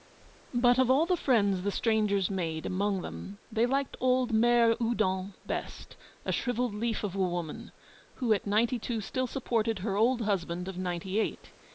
But of all the friends the strangers made among them they liked old Mère Oudon best a shrivelled leaf of a woman, who at ninety two still supported her old husband of ninety eight.